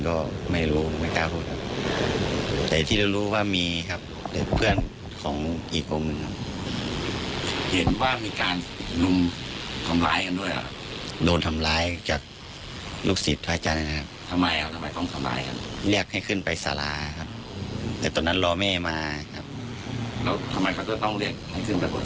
กี่ตอนนี้เป็นที่จะคนเดียว